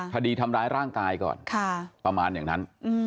คดีทำร้ายร่างกายก่อนประมาณอย่างนั้น